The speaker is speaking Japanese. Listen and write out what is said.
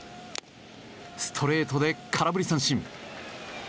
ストレートで空振り三振。